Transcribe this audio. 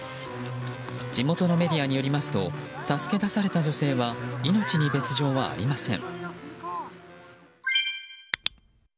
地元のメディアによりますと助け出された女性は命に別条はありません。